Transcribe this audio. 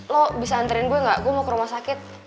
lo bisa antrian gue gak gue mau ke rumah sakit